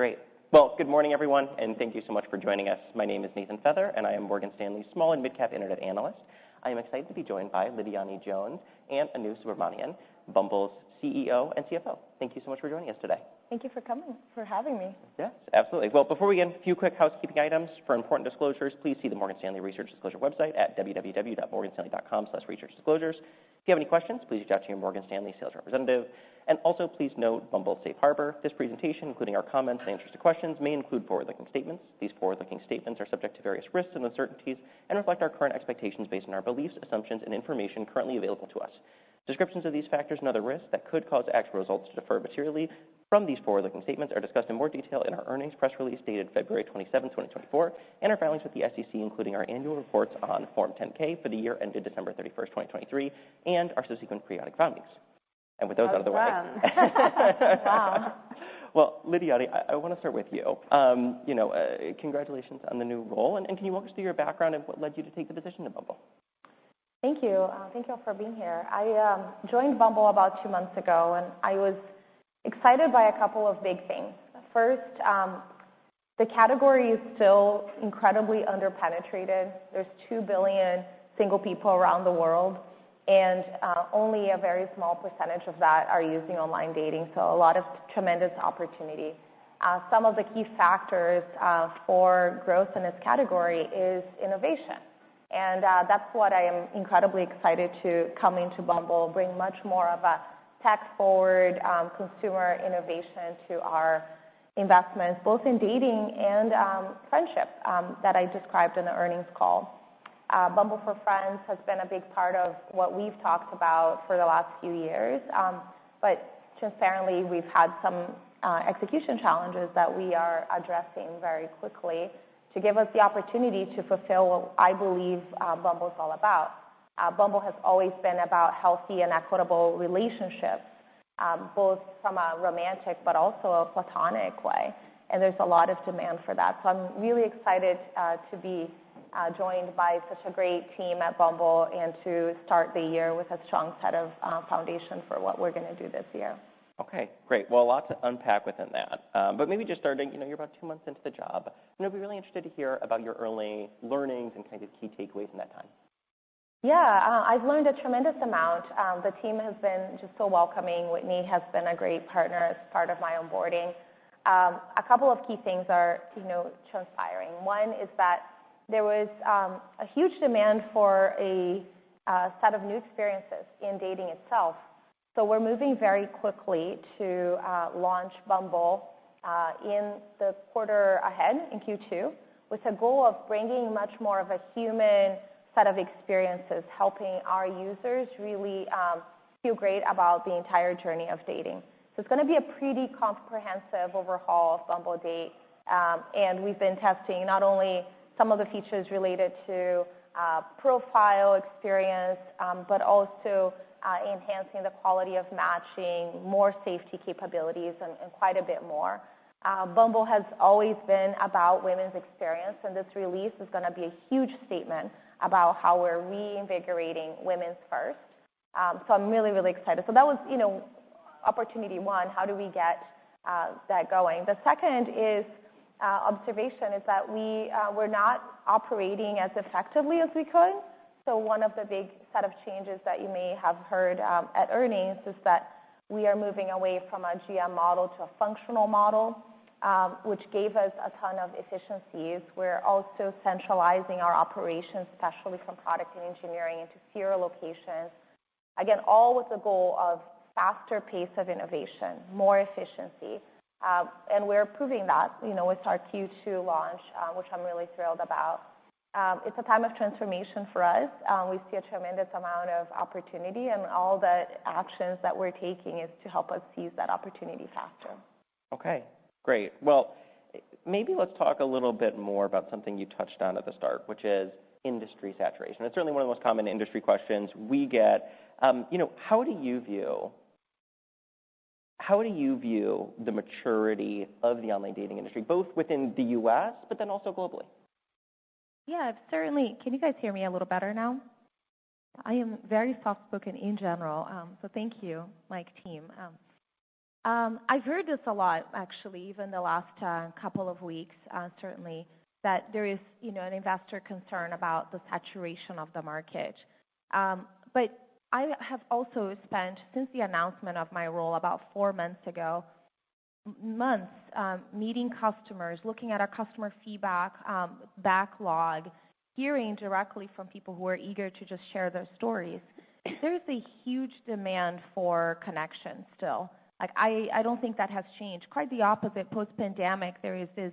Great! Well, good morning, everyone, and thank you so much for joining us. My name is Nathan Feather, and I am Morgan Stanley's Small and Mid-Cap Internet Analyst. I am excited to be joined by Lidiane Jones and Anu Subramanian, Bumble's CEO and CFO. Thank you so much for joining us today. Thank you for coming, for having me. Yes, absolutely. Well, before we get in, a few quick housekeeping items. For important disclosures, please see the Morgan Stanley Research Disclosure website at www.morganstanley.com/researchdisclosures. If you have any questions, please reach out to your Morgan Stanley sales representative, and also please note Bumble's Safe Harbor. This presentation, including our comments and answers to questions, may include forward-looking statements. These forward-looking statements are subject to various risks and uncertainties and reflect our current expectations based on our beliefs, assumptions, and information currently available to us. Descriptions of these factors and other risks that could cause actual results to differ materially from these forward-looking statements are discussed in more detail in our earnings press release dated February 27th, 2024, and our filings with the SEC, including our annual reports on Form 10-K for the year ended December 31st, 2023, and our subsequent periodic filings. With those out of the way— Well done. Well, Lidiane, I wanna start with you. You know, congratulations on the new role, and can you walk us through your background and what led you to take the position at Bumble? Thank you. Thank you all for being here. I joined Bumble about two months ago, and I was excited by a couple of big things. First, the category is still incredibly under-penetrated. There's 2 billion single people around the world, and only a very small percentage of that are using online dating, so a lot of tremendous opportunity. Some of the key factors for growth in this category is innovation, and that's what I am incredibly excited to coming to Bumble, bring much more of a tech-forward consumer innovation to our investments, both in dating and friendship that I described in the earnings call. Bumble for Friends has been a big part of what we've talked about for the last few years, but transparently, we've had some execution challenges that we are addressing very quickly to give us the opportunity to fulfill what I believe Bumble's all about. Bumble has always been about healthy and equitable relationships, both from a romantic but also a platonic way, and there's a lot of demand for that. So I'm really excited to be joined by such a great team at Bumble and to start the year with a strong set of foundation for what we're gonna do this year. Okay, great. Well, a lot to unpack within that. But maybe just starting, you know, you're about two months into the job. You know, I'd be really interested to hear about your early learnings and kind of key takeaways in that time. Yeah, I've learned a tremendous amount. The team has been just so welcoming. Whitney has been a great partner as part of my onboarding. A couple of key things are, you know, transpiring. One is that there was a huge demand for a set of new experiences in dating itself, so we're moving very quickly to launch Bumble in the quarter ahead, in Q2, with the goal of bringing much more of a human set of experiences, helping our users really feel great about the entire journey of dating. So it's gonna be a pretty comprehensive overhaul of Bumble Date, and we've been testing not only some of the features related to profile experience, but also enhancing the quality of matching, more safety capabilities and quite a bit more. Bumble has always been about women's experience, and this release is gonna be a huge statement about how we're reinvigorating women first. So I'm really, really excited. So that was, you know, opportunity one: how do we get that going? The second is observation, is that we, we're not operating as effectively as we could. So one of the big set of changes that you may have heard at earnings is that we are moving away from a GM model to a functional model, which gave us a ton of efficiencies. We're also centralizing our operations, especially from product and engineering, into fewer locations. Again, all with the goal of faster pace of innovation, more efficiency, and we're proving that, you know, with our Q2 launch, which I'm really thrilled about. It's a time of transformation for us. We see a tremendous amount of opportunity, and all the actions that we're taking is to help us seize that opportunity faster. Okay, great. Well, maybe let's talk a little bit more about something you touched on at the start, which is industry saturation. It's certainly one of the most common industry questions we get. You know, how do you view, how do you view the maturity of the online dating industry, both within the U.S., but then also globally? Yeah, certainly. Can you guys hear me a little better now? I am very soft-spoken in general, so thank you, my team. I've heard this a lot, actually, even the last couple of weeks, certainly, that there is, you know, an investor concern about the saturation of the market. But I have also spent, since the announcement of my role about four months ago, months, meeting customers, looking at our customer feedback, backlog, hearing directly from people who are eager to just share their stories. There is a huge demand for connection still. Like, I, I don't think that has changed. Quite the opposite. Post-pandemic, there is this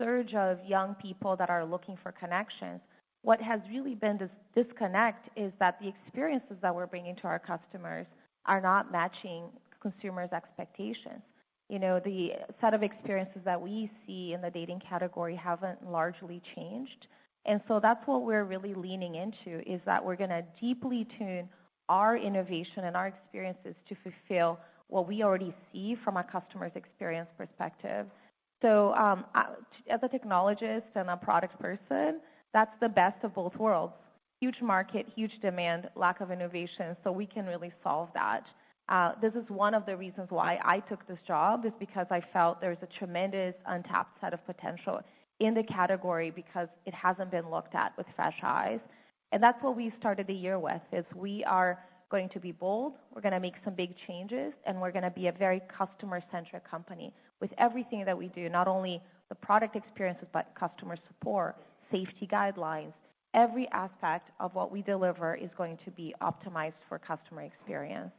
surge of young people that are looking for connections. What has really been this disconnect is that the experiences that we're bringing to our customers are not matching consumers' expectations. You know, the set of experiences that we see in the dating category haven't largely changed, and so that's what we're really leaning into, is that we're gonna deeply tune our innovation and our experiences to fulfill what we already see from a customer's experience perspective. So, as a technologist and a product person, that's the best of both worlds. Huge market, huge demand, lack of innovation, so we can really solve that. This is one of the reasons why I took this job, is because I felt there was a tremendous untapped set of potential in the category because it hasn't been looked at with fresh eyes. And that's what we started the year with, is we are going to be bold, we're gonna make some big changes, and we're gonna be a very customer-centric company. With everything that we do, not only the product experiences, but customer support, safety guidelines, every aspect of what we deliver is going to be optimized for customer experience.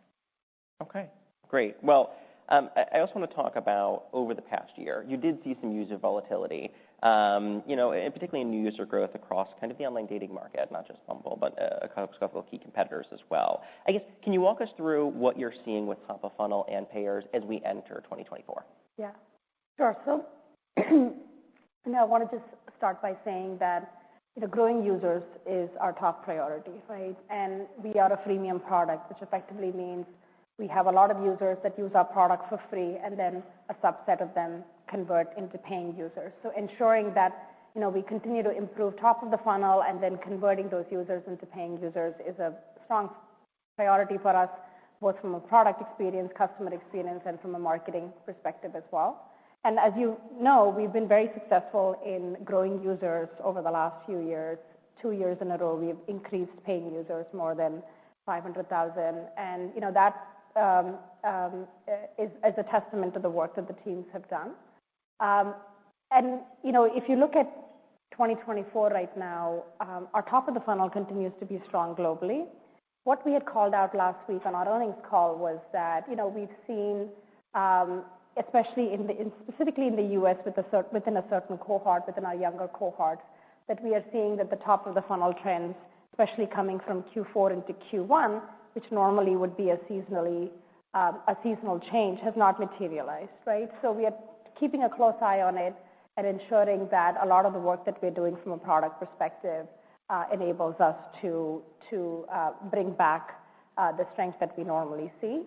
Okay, great. Well, I also want to talk about over the past year, you did see some user volatility. You know, and particularly in new user growth across kind of the online dating market, not just Bumble, but a couple of key competitors as well. I guess, can you walk us through what you're seeing with top of funnel and payers as we enter 2024? Yeah, sure. I want to just start by saying that, you know, growing users is our top priority, right? And we are a freemium product, which effectively means we have a lot of users that use our product for free, and then a subset of them convert into paying users. So ensuring that, you know, we continue to improve top of the funnel and then converting those users into paying users is a strong priority for us, both from a product experience, customer experience, and from a marketing perspective as well. And as you know, we've been very successful in growing users over the last few years. Two years in a row, we've increased paying users more than 500,000, and, you know, that is a testament to the work that the teams have done. And, you know, if you look at 2024 right now, our top of the funnel continues to be strong globally. What we had called out last week on our earnings call was that, you know, we've seen, especially in the—specifically in the U.S. with within a certain cohort, within our younger cohort, that we are seeing that the top of the funnel trends, especially coming from Q4 into Q1, which normally would be a seasonal change, has not materialized, right? So we are keeping a close eye on it and ensuring that a lot of the work that we're doing from a product perspective enables us to bring back the strength that we normally see.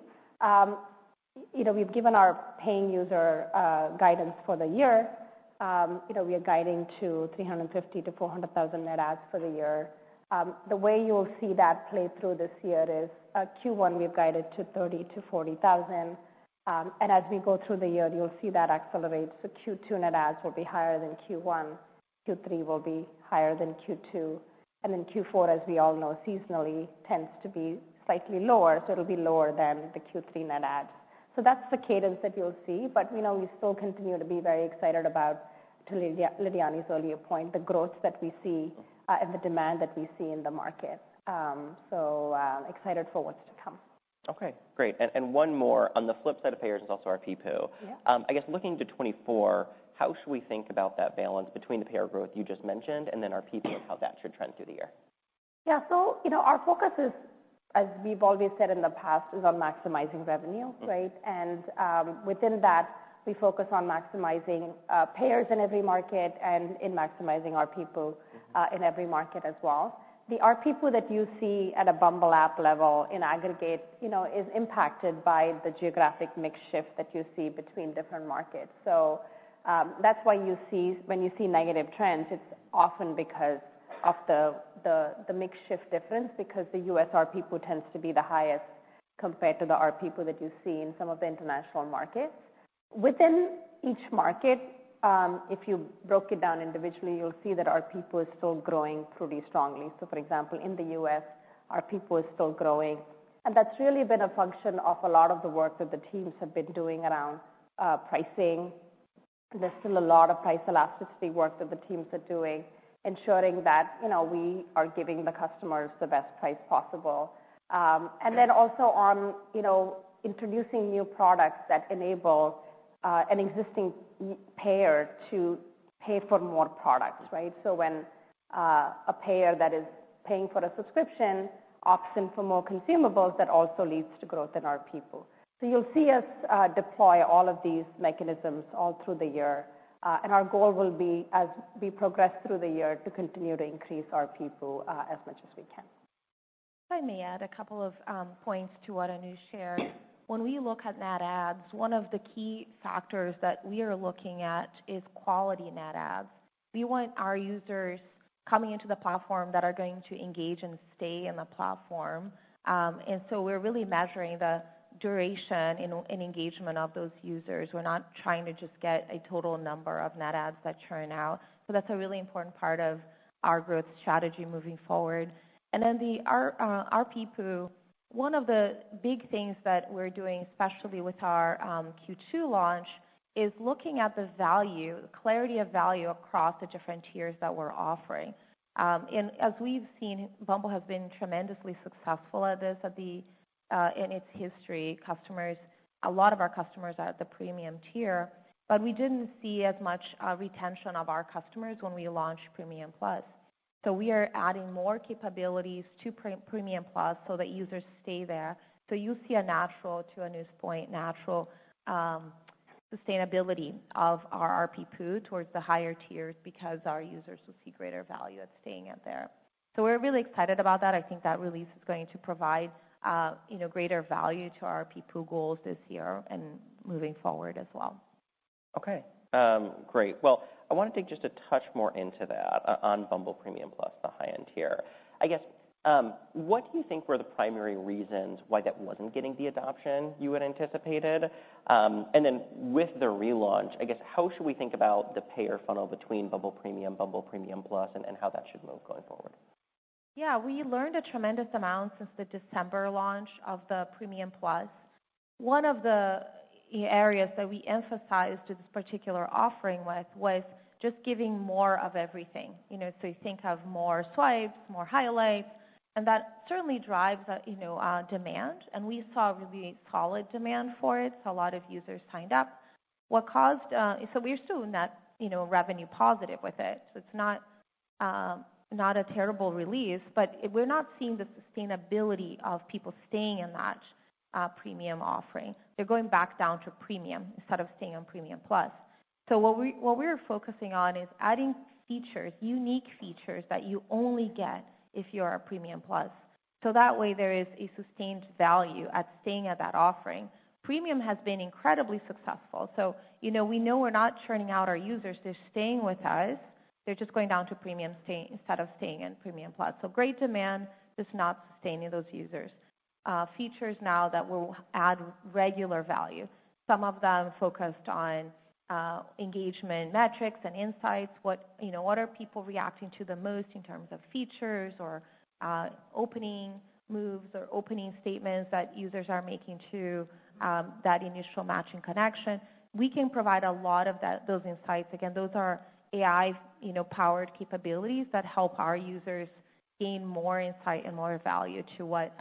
You know, we've given our paying user guidance for the year. You know, we are guiding to 350,000-400,000 net adds for the year. The way you'll see that play through this year is at Q1, we've guided to 30,000-40,000. And as we go through the year, you'll see that accelerate. So Q2 net adds will be higher than Q1, Q3 will be higher than Q2, and then Q4, as we all know, seasonally tends to be slightly lower, so it'll be lower than the Q3 net add. So that's the cadence that you'll see, but, you know, we still continue to be very excited about, to Lidiane's earlier point, the growth that we see, and the demand that we see in the market. So, excited for what's to come. Okay, great. And one more. On the flip side of payers is also our RPP. Yeah. I guess looking to 2024, how should we think about that balance between the payer growth you just mentioned and then our RPP and how that should trend through the year? Yeah. So, you know, our focus is, as we've always said in the past, is on maximizing revenue, right? And, within that, we focus on maximizing payers in every market and in maximizing RPP in every market as well. The RPP that you see at a Bumble app level in aggregate, you know, is impacted by the geographic mix shift that you see between different markets. So, that's why you see when you see negative trends, it's often because of the mix shift difference, because the U.S. RPP tends to be the highest compared to the RPP that you see in some of the international markets. Within each market, if you broke it down individually, you'll see that RPP is still growing pretty strongly. So, for example, in the U.S., RPP is still growing, and that's really been a function of a lot of the work that the teams have been doing around pricing. There's still a lot of price elasticity work that the teams are doing, ensuring that, you know, we are giving the customers the best price possible. And then also on, you know, introducing new products that enable, an existing payer to pay for more products, right? So when, a payer that is paying for a subscription opts in for more consumables, that also leads to growth in our RPP. So you'll see us, deploy all of these mechanisms all through the year, and our goal will be, as we progress through the year, to continue to increase our RPP, as much as we can. If I may add a couple of points to what Anu shared. When we look at net adds, one of the key factors that we are looking at is quality net adds. We want our users coming into the platform that are going to engage and stay in the platform. And so we're really measuring the duration and engagement of those users. We're not trying to just get a total number of net adds that churn out. So that's a really important part of our growth strategy moving forward. And then the RPP, one of the big things that we're doing, especially with our Q2 launch, is looking at the value, clarity of value across the different tiers that we're offering. And as we've seen, Bumble has been tremendously successful at this, at the in its history. Customers—a lot of our customers are at the Premium tier, but we didn't see as much retention of our customers when we launched Premium Plus. So we are adding more capabilities to Premium Plus so that users stay there. So you'll see a natural, to Anu's point, natural sustainability of our RPP towards the higher tiers because our users will see greater value of staying out there. So we're really excited about that. I think that release is going to provide, you know, greater value to our RPP goals this year and moving forward as well. Okay, great. Well, I wanna take just a touch more into that, on Bumble Premium Plus, the high-end tier. I guess, what do you think were the primary reasons why that wasn't getting the adoption you had anticipated? And then with the relaunch, I guess, how should we think about the payer funnel between Bumble Premium, Bumble Premium Plus, and how that should move going forward? Yeah, we learned a tremendous amount since the December launch of the Premium Plus. One of the areas that we emphasized this particular offering with, was just giving more of everything. You know, so you think of more swipes, more highlights, and that certainly drives demand, and we saw really solid demand for it. A lot of users signed up. So we're still net, you know, revenue positive with it. So it's not, not a terrible release, but we're not seeing the sustainability of people staying in that Premium offering. They're going back down to Premium instead of staying on Premium Plus. So what we, what we're focusing on is adding features, unique features, that you only get if you are a Premium Plus, so that way, there is a sustained value at staying at that offering. Premium has been incredibly successful, so, you know, we know we're not churning out our users. They're staying with us. They're just going down to Premium, staying—instead of staying in Premium Plus. So great demand, just not sustaining those users. Features now that will add regular value, some of them focused on engagement metrics and insights. What, you know, what are people reacting to the most in terms of features or Opening Moves or opening statements that users are making to that initial matching connection? We can provide a lot of that, those insights. Again, those are AI, you know, powered capabilities that help our users gain more insight and more value to what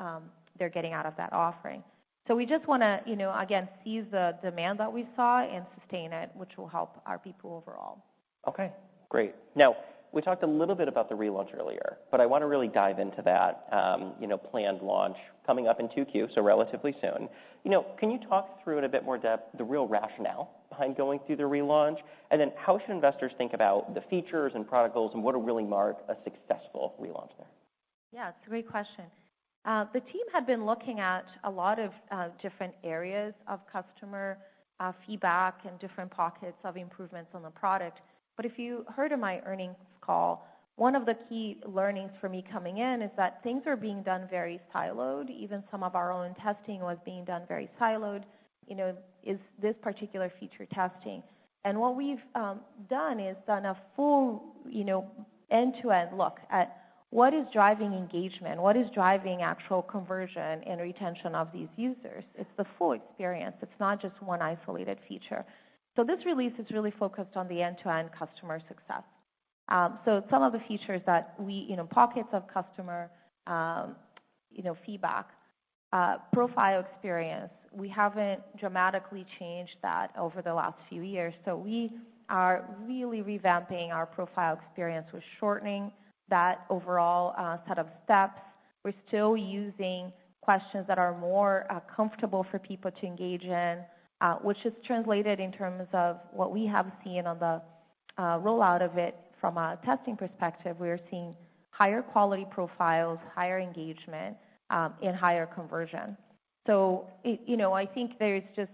they're getting out of that offering. So we just wanna, you know, again, seize the demand that we saw and sustain it, which will help our people overall. Okay, great. Now, we talked a little bit about the relaunch earlier, but I wanna really dive into that, you know, planned launch coming up in 2Q, so relatively soon. You know, can you talk through in a bit more depth, the real rationale behind going through the relaunch? And then how should investors think about the features and product goals, and what would really mark a successful relaunch there? Yeah, it's a great question. The team had been looking at a lot of different areas of customer feedback and different pockets of improvements on the product. But if you heard in my earnings call, one of the key learnings for me coming in is that things are being done very siloed. Even some of our own testing was being done very siloed, you know, is this particular feature testing. And what we've done is done a full, you know, end-to-end look at what is driving engagement, what is driving actual conversion and retention of these users. It's the full experience. It's not just one isolated feature. So this release is really focused on the end-to-end customer success. So some of the features that we, you know, pockets of customer, you know, feedback, profile experience. We haven't dramatically changed that over the last few years, so we are really revamping our profile experience. We're shortening that overall set of steps. We're still using questions that are more comfortable for people to engage in, which is translated in terms of what we have seen on the rollout of it from a testing perspective. We are seeing higher quality profiles, higher engagement, and higher conversion. So it... You know, I think there's just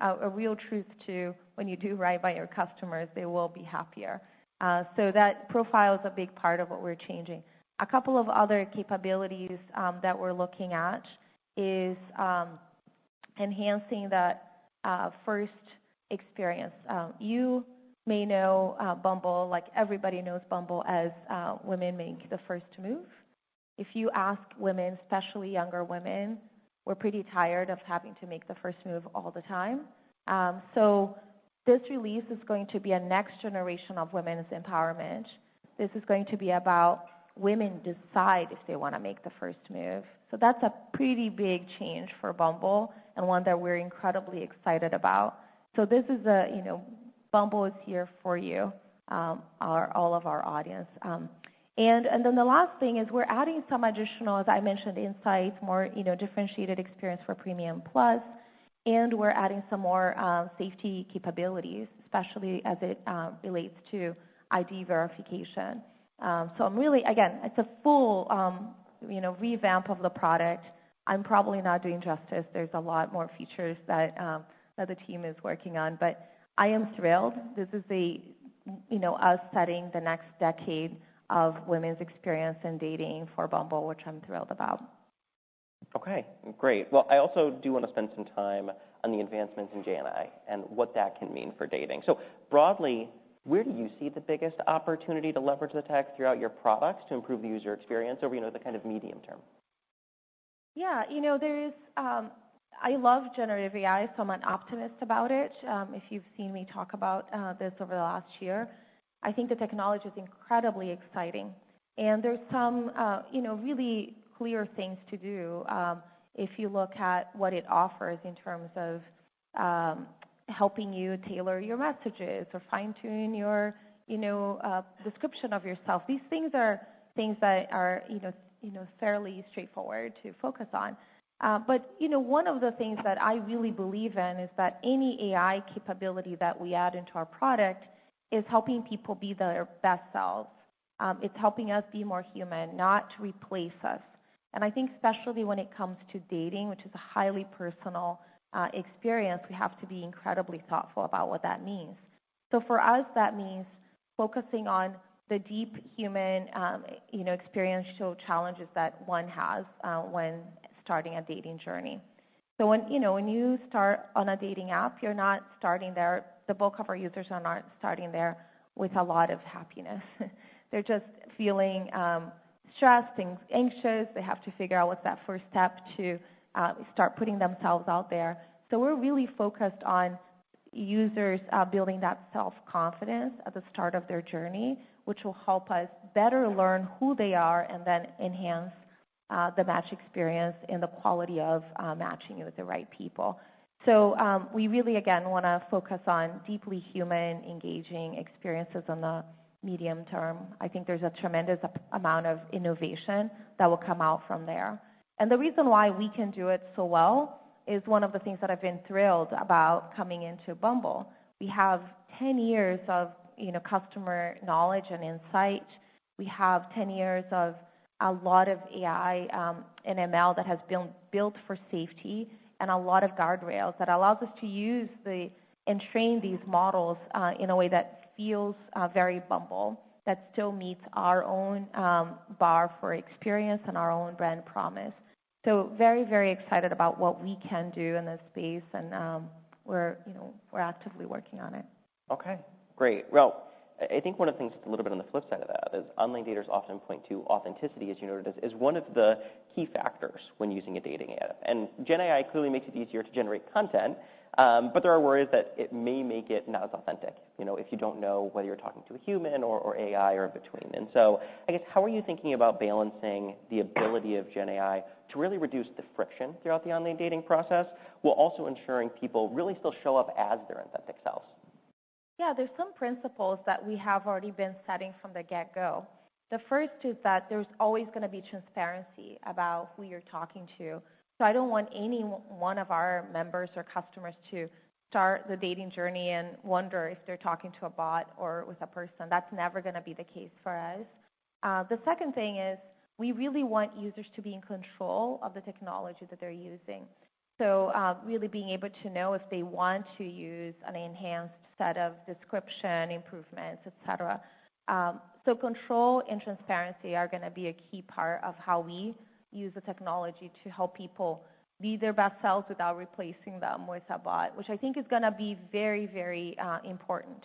a real truth to when you do right by your customers, they will be happier. So that profile is a big part of what we're changing. A couple of other capabilities that we're looking at is enhancing that first experience. You may know Bumble, like everybody knows Bumble, as women making the first move. If you ask women, especially younger women, we're pretty tired of having to make the first move all the time. So this release is going to be a next generation of women's empowerment. This is going to be about women decide if they wanna make the first move. So that's a pretty big change for Bumble and one that we're incredibly excited about. So this is a, you know, Bumble is here for you, all of our audience. And then the last thing is we're adding some additional, as I mentioned, insights, more, you know, differentiated experience for Premium Plus, and we're adding some more safety capabilities, especially as it relates to ID verification. So I'm really, again, it's a full, you know, revamp of the product. I'm probably not doing justice. There's a lot more features that the team is working on, but I am thrilled. This is the, you know, us setting the next decade of women's experience in dating for Bumble, which I'm thrilled about. Okay, great. Well, I also do wanna spend some time on the advancements in Gen AI and what that can mean for dating. So broadly, where do you see the biggest opportunity to leverage the tech throughout your products to improve the user experience over, you know, the kind of medium term? Yeah, you know, there is, I love generative AI, so I'm an optimist about it. If you've seen me talk about this over the last year, I think the technology is incredibly exciting, and there's some, you know, really clear things to do, if you look at what it offers in terms of helping you tailor your messages or fine-tune your, you know, description of yourself. These things are things that are, you know, you know, fairly straightforward to focus on. But, you know, one of the things that I really believe in is that any AI capability that we add into our product is helping people be their best selves. It's helping us be more human, not to replace us. I think especially when it comes to dating, which is a highly personal experience, we have to be incredibly thoughtful about what that means. So for us, that means focusing on the deep human, you know, experiential challenges that one has when starting a dating journey. So when, you know, when you start on a dating app, you're not starting there, the bulk of our users are not starting there with a lot of happiness. They're just feeling stressed, feeling anxious. They have to figure out what's that first step to start putting themselves out there. So we're really focused on users building that self-confidence at the start of their journey, which will help us better learn who they are and then enhance the match experience and the quality of matching you with the right people. So, we really, again, wanna focus on deeply human, engaging experiences on the medium term. I think there's a tremendous amount of innovation that will come out from there. And the reason why we can do it so well is one of the things that I've been thrilled about coming into Bumble. We have 10 years of, you know, customer knowledge and insight. We have 10 years of a lot of AI and ML that has built for safety, and a lot of guardrails that allows us to use and train these models in a way that feels very Bumble, that still meets our own bar for experience and our own brand promise. So very, very excited about what we can do in this space, and we're, you know, we're actively working on it. Okay, great. Well, I think one of the things, a little bit on the flip side of that, is online daters often point to authenticity, as you noted, as one of the key factors when using a dating app. And Gen AI clearly makes it easier to generate content, but there are worries that it may make it not as authentic, you know, if you don't know whether you're talking to a human or AI or between. And so I guess, how are you thinking about balancing the ability of Gen AI to really reduce the friction throughout the online dating process, while also ensuring people really still show up as their authentic selves? Yeah, there's some principles that we have already been setting from the get-go. The first is that there's always gonna be transparency about who you're talking to. So I don't want any one of our members or customers to start the dating journey and wonder if they're talking to a bot or with a person. That's never gonna be the case for us. The second thing is, we really want users to be in control of the technology that they're using. So, really being able to know if they want to use an enhanced set of description improvements, etc. So control and transparency are gonna be a key part of how we use the technology to help people be their best selves without replacing them with a bot, which I think is gonna be very, very important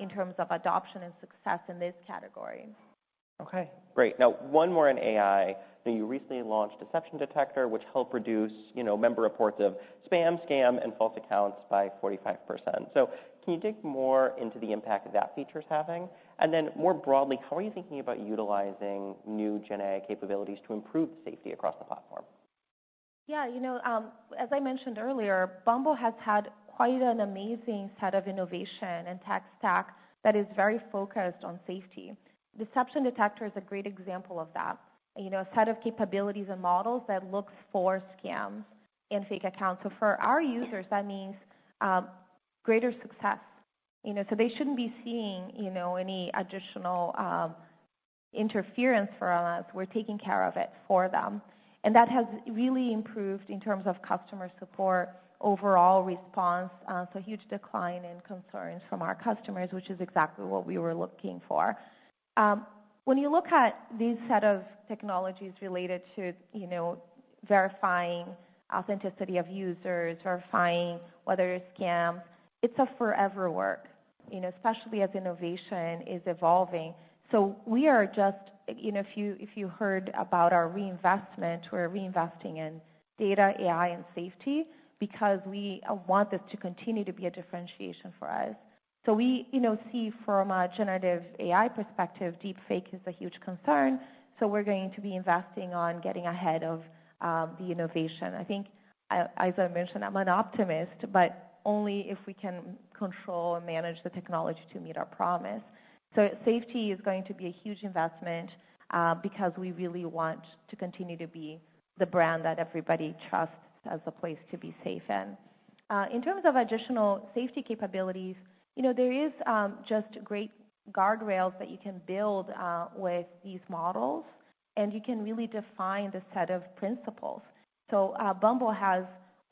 in terms of adoption and success in this category. Okay, great. Now, one more on AI. You recently launched Deception Detector, which helped reduce, you know, member reports of spam, scam, and false accounts by 45%. So can you dig more into the impact that feature is having? And then more broadly, how are you thinking about utilizing new Gen AI capabilities to improve safety across the platform? Yeah, you know, as I mentioned earlier, Bumble has had quite an amazing set of innovation and tech stack that is very focused on safety. Deception Detector is a great example of that. You know, a set of capabilities and models that looks for scams and fake accounts. So for our users, that means greater success. You know, so they shouldn't be seeing, you know, any additional interference from us. We're taking care of it for them. And that has really improved in terms of customer support, overall response, so a huge decline in concerns from our customers, which is exactly what we were looking for. When you look at these set of technologies related to, you know, verifying authenticity of users, verifying whether it's scam, it's a forever work, you know, especially as innovation is evolving. So we are just, you know, if you heard about our reinvestment, we're reinvesting in data, AI, and safety because we want this to continue to be a differentiation for us. So we, you know, see from a generative AI perspective, deepfake is a huge concern, so we're going to be investing on getting ahead of the innovation. I think, as I mentioned, I'm an optimist, but only if we can control and manage the technology to meet our promise. So safety is going to be a huge investment because we really want to continue to be the brand that everybody trusts as a place to be safe in. In terms of additional safety capabilities, you know, there is just great guardrails that you can build with these models, and you can really define the set of principles. So, Bumble has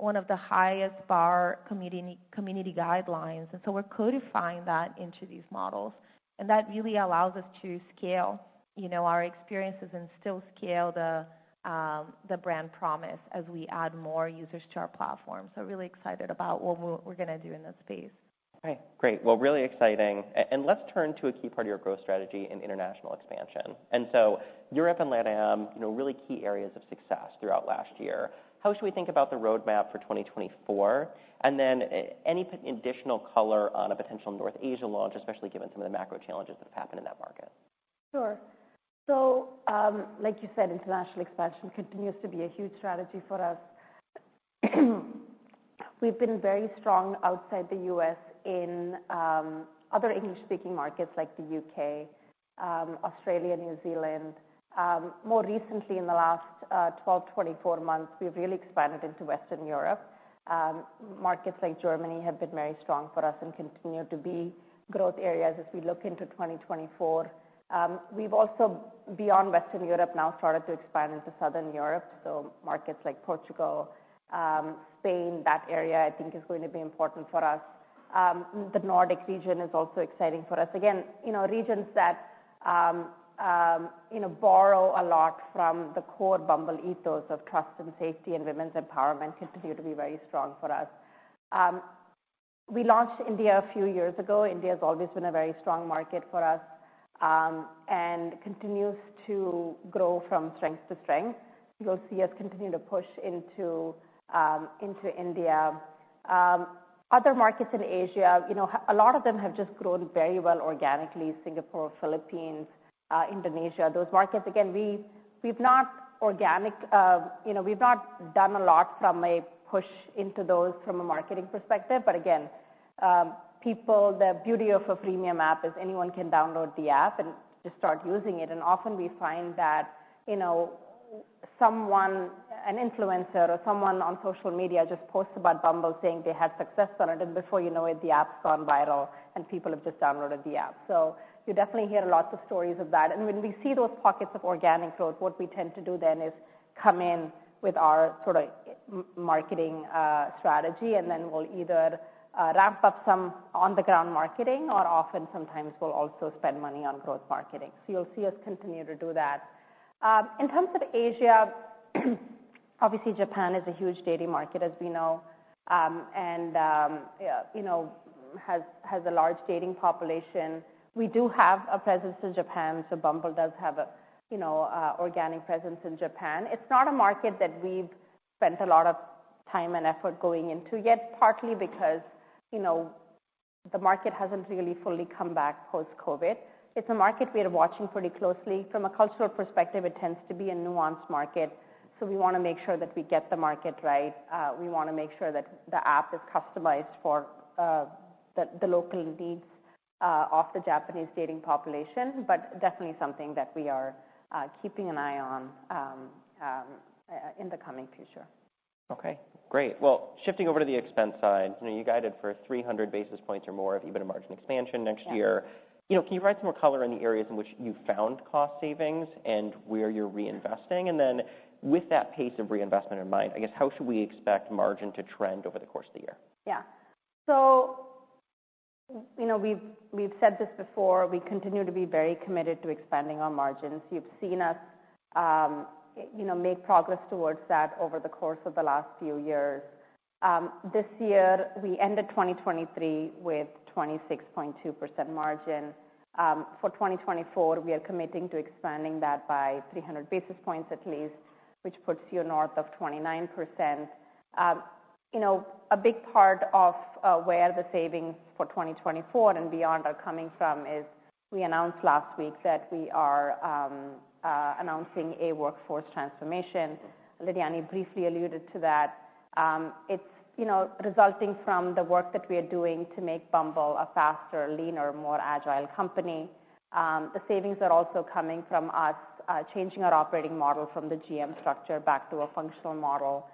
one of the highest bar community, community guidelines, and so we're codifying that into these models. And that really allows us to scale, you know, our experiences and still scale the, the brand promise as we add more users to our platform. So really excited about what we're, we're gonna do in this space. Okay, great. Well, really exciting. And let's turn to a key part of your growth strategy in international expansion. And so Europe and LATAM, you know, really key areas of success throughout last year. How should we think about the roadmap for 2024? And then any additional color on a potential North Asia launch, especially given some of the macro challenges that have happened in that market? Sure. So, like you said, international expansion continues to be a huge strategy for us. We've been very strong outside the U.S. in, other English-speaking markets like the U.K., Australia, New Zealand. More recently, in the last 12, 24 months, we've really expanded into Western Europe. Markets like Germany have been very strong for us and continue to be growth areas as we look into 2024. We've also, beyond Western Europe, now started to expand into Southern Europe, so markets like Portugal, Spain, that area I think is going to be important for us. The Nordic region is also exciting for us. Again, you know, regions that, you know, borrow a lot from the core Bumble ethos of trust and safety and women's empowerment continue to be very strong for us. We launched India a few years ago. India's always been a very strong market for us, and continues to grow from strength to strength. You'll see us continue to push into, into India. Other markets in Asia, you know, a lot of them have just grown very well organically, Singapore, Philippines, Indonesia, those markets. Again, we've not done a lot from a push into those from a marketing perspective. But again, the beauty of a freemium app is anyone can download the app and just start using it. And often we find that, you know, someone, an influencer or someone on social media, just posts about Bumble, saying they had success on it, and before you know it, the app's gone viral and people have just downloaded the app. So you definitely hear lots of stories of that. And when we see those pockets of organic growth, what we tend to do then is come in with our sort of marketing strategy, and then we'll either ramp up some on-the-ground marketing, or often sometimes we'll also spend money on growth marketing. So you'll see us continue to do that. In terms of Asia, obviously, Japan is a huge dating market, as we know, and you know has a large dating population. We do have a presence in Japan, so Bumble does have a you know organic presence in Japan. It's not a market that we've spent a lot of time and effort going into yet, partly because you know the market hasn't really fully come back post-COVID. It's a market we're watching pretty closely. From a cultural perspective, it tends to be a nuanced market, so we want to make sure that we get the market right. We want to make sure that the app is customized for the local needs of the Japanese dating population, but definitely something that we are keeping an eye on in the coming future. Okay, great. Well, shifting over to the expense side, you know, you guided for 300 basis points or more of EBITDA margin expansion next year. Yeah. You know, can you provide some more color on the areas in which you found cost savings and where you're reinvesting? And then with that pace of reinvestment in mind, I guess, how should we expect margin to trend over the course of the year? Yeah. So, you know, we've said this before, we continue to be very committed to expanding our margins. You've seen us, you know, make progress towards that over the course of the last few years. This year, we ended 2023 with 26.2% margin. For 2024, we are committing to expanding that by 300 basis points at least, which puts you north of 29%. You know, a big part of where the savings for 2024 and beyond are coming from is, we announced last week that we are announcing a workforce transformation. Lidiane briefly alluded to that. It's, you know, resulting from the work that we are doing to make Bumble a faster, leaner, more agile company. The savings are also coming from us changing our operating model from the GM structure back to a functional model.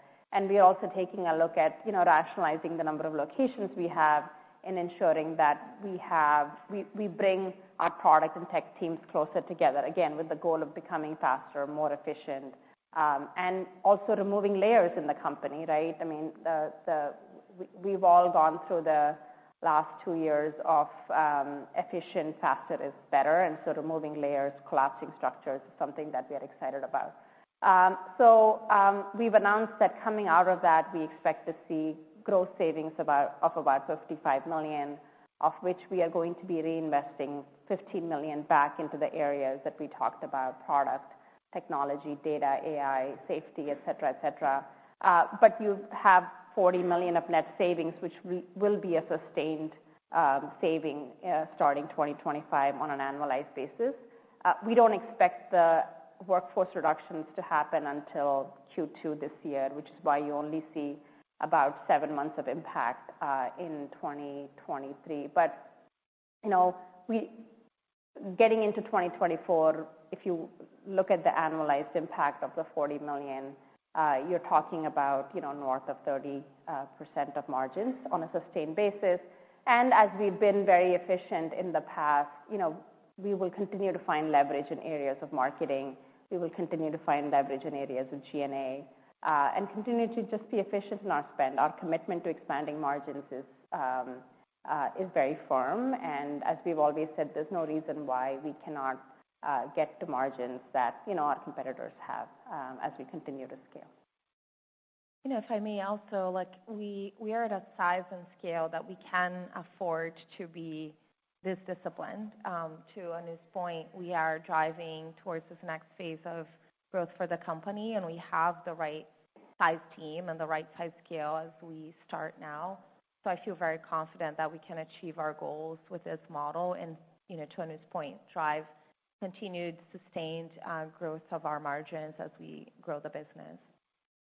We're also taking a look at, you know, rationalizing the number of locations we have, and ensuring that we bring our product and tech teams closer together, again, with the goal of becoming faster, more efficient, and also removing layers in the company, right? I mean, we've all gone through the last two years of efficient, faster is better, and so removing layers, collapsing structures, is something that we are excited about. We've announced that coming out of that, we expect to see gross savings of about $55 million, of which we are going to be reinvesting $15 million back into the areas that we talked about, product, technology, data, AI, safety, etc. But you have $40 million of net savings, which will be a sustained saving starting 2025 on an annualized basis. We don't expect the workforce reductions to happen until Q2 this year, which is why you only see about seven months of impact in 2023. But, you know, getting into 2024, if you look at the annualized impact of the $40 million, you're talking about, you know, north of 30% of margins on a sustained basis. And as we've been very efficient in the past, you know, we will continue to find leverage in areas of marketing. We will continue to find leverage in areas of G&A, and continue to just be efficient in our spend. Our commitment to expanding margins is very firm, and as we've always said, there's no reason why we cannot get the margins that, you know, our competitors have, as we continue to scale. You know, if I may also, like, we are at a size and scale that we can afford to be this disciplined. To Anu's point, we are driving towards this next phase of growth for the company, and we have the right size team and the right size scale as we start now. So I feel very confident that we can achieve our goals with this model and, you know, to Anu's point, drive continued sustained growth of our margins as we grow the business.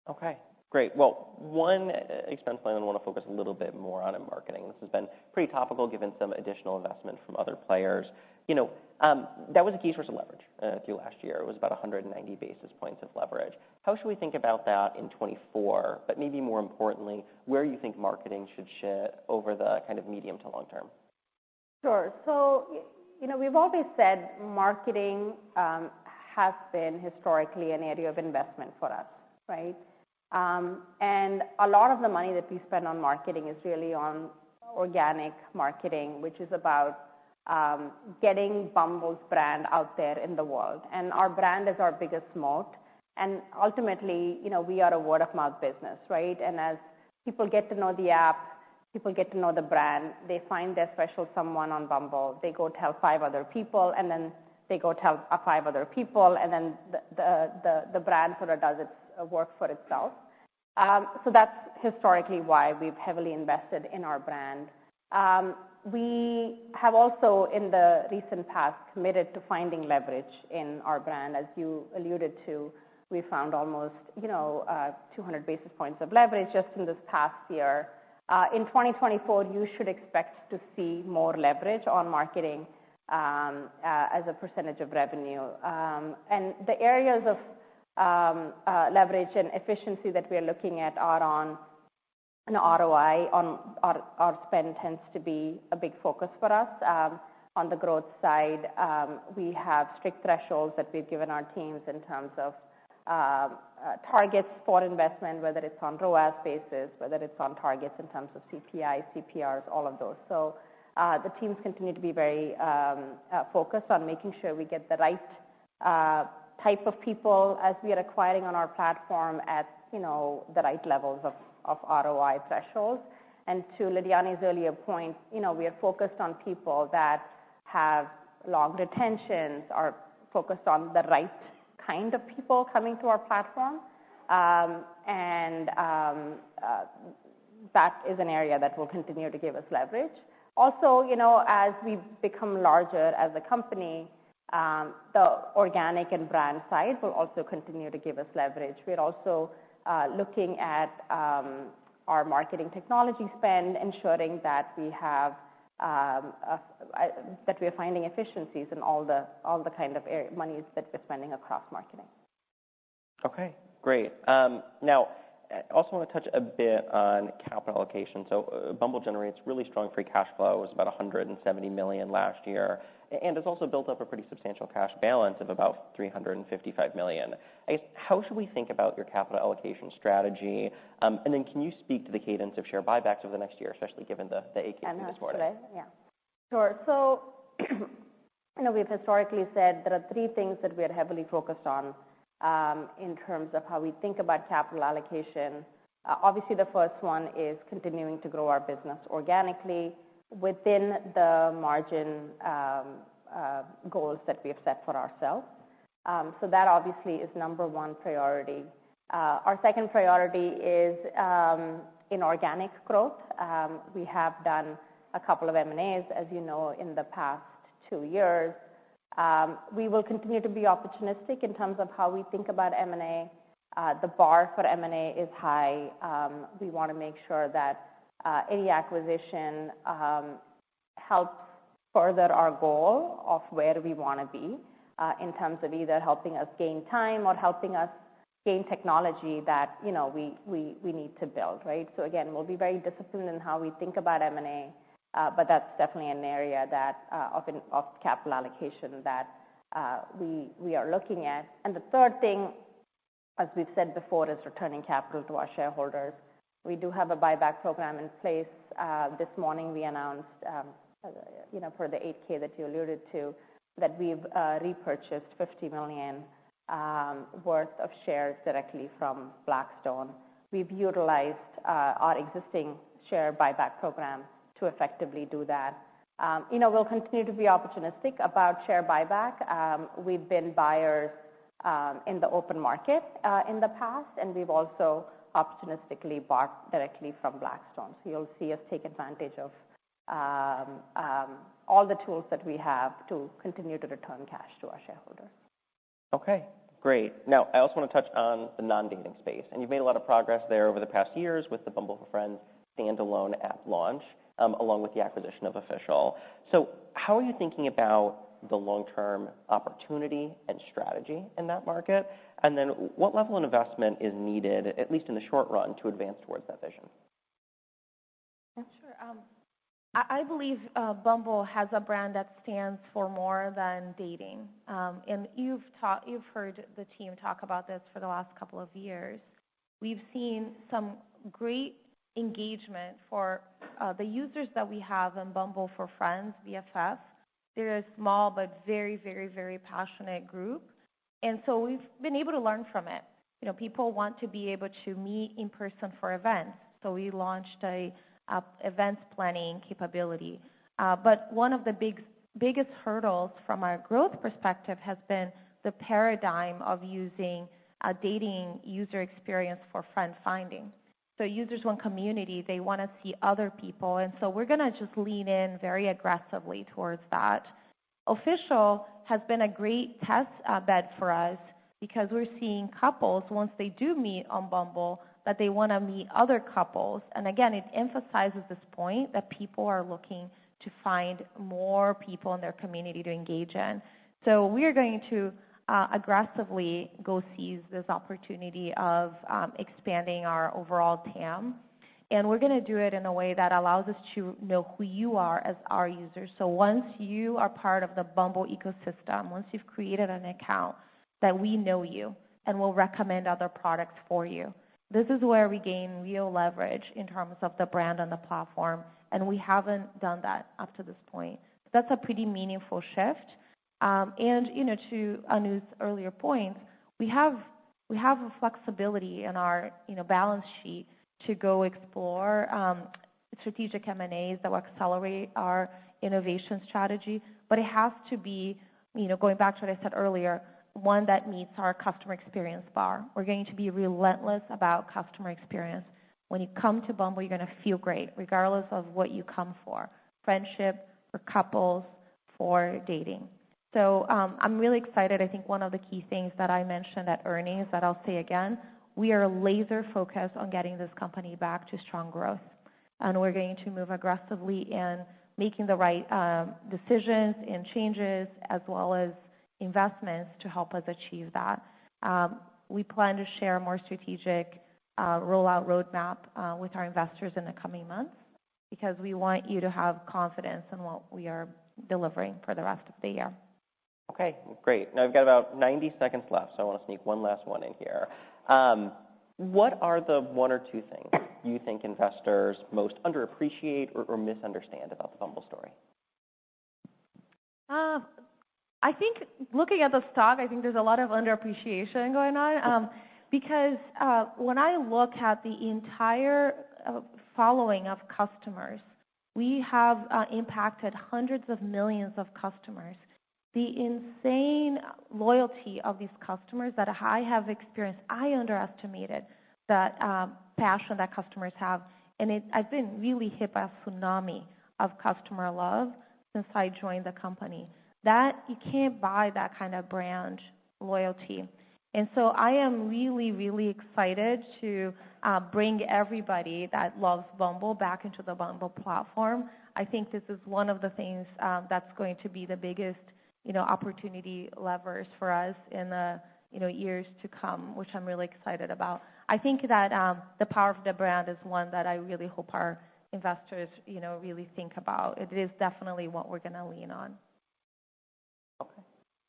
Okay, great. Well, one expense plan I want to focus a little bit more on in marketing. This has been pretty topical, given some additional investment from other players. You know, that was a key source of leverage through last year. It was about 190 basis points of leverage. How should we think about that in 2024? But maybe more importantly, where you think marketing should share over the kind of medium to long term. Sure. So, you know, we've always said marketing has been historically an area of investment for us, right? And a lot of the money that we spend on marketing is really on organic marketing, which is about getting Bumble's brand out there in the world, and our brand is our biggest moat. And ultimately, you know, we are a word-of-mouth business, right? And as people get to know the app, people get to know the brand. They find their special someone on Bumble, they go tell five other people, and then they go tell five other people, and then the brand sort of does its work for itself. So that's historically why we've heavily invested in our brand. We have also, in the recent past, committed to finding leverage in our brand. As you alluded to, we found almost, you know, 200 basis points of leverage just in this past year. In 2024, you should expect to see more leverage on marketing as a percentage of revenue. And the areas of leverage and efficiency that we're looking at are on an ROI on our spend tends to be a big focus for us. On the growth side, we have strict thresholds that we've given our teams in terms of targets for investment, whether it's on ROAS basis, whether it's on targets in terms of CPI, CPRs, all of those. So, the teams continue to be very focused on making sure we get the right type of people as we are acquiring on our platform at, you know, the right levels of ROI thresholds. To Lidiane's earlier point, you know, we are focused on people that have long retentions, are focused on the right kind of people coming to our platform. That is an area that will continue to give us leverage. Also, you know, as we become larger as a company, the organic and brand side will also continue to give us leverage. We're also looking at our marketing technology spend, ensuring that we are finding efficiencies in all the kind of monies that we're spending across marketing. Okay, great. Now, I also want to touch a bit on capital allocation. So Bumble generates really strong free cash flow. It was about $170 million last year, and has also built up a pretty substantial cash balance of about $355 million. I guess, how should we think about your capital allocation strategy? And then can you speak to the cadence of share buybacks over the next year, especially given the 10-K this quarter? I'll start. Yeah. Sure. So you know, we've historically said there are three things that we are heavily focused on in terms of how we think about capital allocation. Obviously, the first one is continuing to grow our business organically within the margin goals that we have set for ourselves. So that obviously is number one priority. Our second priority is inorganic growth. We have done a couple of M&As, as you know, in the past two years. We will continue to be opportunistic in terms of how we think about M&A. The bar for M&A is high. We want to make sure that any acquisition helps further our goal of where we want to be in terms of either helping us gain time or helping us gain technology that, you know, we need to build, right? So again, we'll be very disciplined in how we think about M&A, but that's definitely an area of capital allocation that we are looking at. The third thing, as we've said before, is returning capital to our shareholders. We do have a buyback program in place. This morning we announced, you know, for the 8-K that you alluded to, that we've repurchased $50 million worth of shares directly from Blackstone. We've utilized our existing share buyback program to effectively do that. You know, we'll continue to be opportunistic about share buyback. We've been buyers, in the open market, in the past, and we've also opportunistically bought directly from Blackstone. So you'll see us take advantage of all the tools that we have to continue to return cash to our shareholders. Okay, great. Now, I also want to touch on the non-dating space, and you've made a lot of progress there over the past years with the Bumble for Friends standalone app launch, along with the acquisition of Official. So how are you thinking about the long-term opportunity and strategy in that market? And then what level of investment is needed, at least in the short run, to advance towards that vision? Sure. I believe Bumble has a brand that stands for more than dating. And you've heard the team talk about this for the last couple of years. We've seen some great engagement for the users that we have on Bumble for Friends, BFF. They're a small but very, very, very passionate group, and so we've been able to learn from it. You know, people want to be able to meet in person for events, so we launched an events planning capability. But one of the biggest hurdles from a growth perspective has been the paradigm of using a dating user experience for friend finding. So users want community, they wanna see other people, and so we're gonna just lean in very aggressively towards that. Official has been a great test bed for us because we're seeing couples, once they do meet on Bumble, that they wanna meet other couples. And again, it emphasizes this point that people are looking to find more people in their community to engage in. So we are going to aggressively go seize this opportunity of expanding our overall TAM. And we're gonna do it in a way that allows us to know who you are as our users. So once you are part of the Bumble ecosystem, once you've created an account, that we know you and we'll recommend other products for you. This is where we gain real leverage in terms of the brand and the platform, and we haven't done that up to this point. That's a pretty meaningful shift. And, you know, to Anu's earlier point, we have, we have the flexibility in our, you know, balance sheet to go explore, strategic M&As that will accelerate our innovation strategy. But it has to be, you know, going back to what I said earlier, one that meets our customer experience bar. We're going to be relentless about customer experience. When you come to Bumble, you're gonna feel great, regardless of what you come for, friendship, for couples, for dating. So, I'm really excited. I think one of the key things that I mentioned at earnings, that I'll say again, we are laser focused on getting this company back to strong growth, and we're going to move aggressively in making the right, decisions and changes, as well as investments to help us achieve that. We plan to share a more strategic rollout roadmap with our investors in the coming months, because we want you to have confidence in what we are delivering for the rest of the year. Okay, great. Now, we've got about 90 seconds left, so I wanna sneak one last one in here. What are the one or two things you think investors most underappreciate or, or misunderstand about the Bumble story? I think looking at the stock, I think there's a lot of underappreciation going on. Because when I look at the entire following of customers, we have impacted hundreds of millions of customers. The insane loyalty of these customers that I have experienced, I underestimated the passion that customers have, and I've been really hit by a tsunami of customer love since I joined the company. That, you can't buy that kind of brand loyalty. And so I am really, really excited to bring everybody that loves Bumble back into the Bumble platform. I think this is one of the things that's going to be the biggest, you know, opportunity levers for us in the, you know, years to come, which I'm really excited about. I think that, the power of the brand is one that I really hope our investors, you know, really think about. It is definitely what we're gonna lean on. Okay,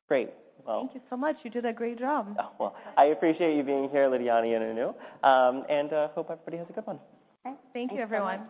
great. Well- Thank you so much. You did a great job. Well, I appreciate you being here, Lidiane and Anu. Hope everybody has a good one. Okay. Thank you, everyone.